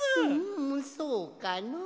んそうかの。